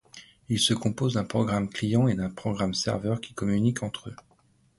Il se compose d'un programme client et d'un programme serveur qui communiquent entre eux.